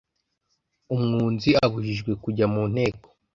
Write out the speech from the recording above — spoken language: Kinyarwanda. Umwunzi abujijwe kujya mu Nteko